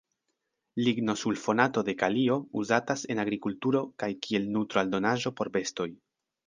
Ligno-sulfonato de kalio uzatas en agrikulturo kaj kiel nutro-aldonaĵo por bestoj.